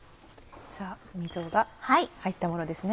さぁ溝が入ったものですね。